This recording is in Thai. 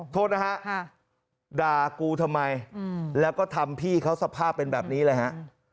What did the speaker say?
โทษนะฮะด่ากูทำไมแล้วก็ทำพี่เขาสภาพเป็นแบบนี้เลยฮะ